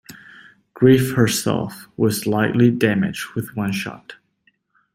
"Gryf" herself was slightly damaged with one shot.